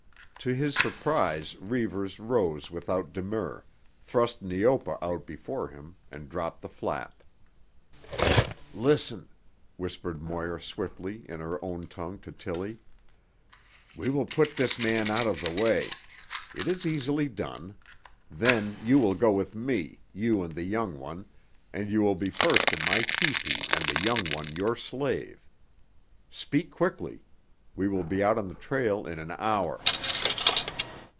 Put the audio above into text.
To his surprise Reivers rose without demur, thrust Neopa out before him, and dropped the flap. "Listen," whispered Moir swiftly in her own tongue to Tillie, "we will put his man out of the way. It is easily done. Then you will go with me, you and the young one, and you will be first in my tepee and the young one your slave. Speak quickly. We will be on the trail in an hour."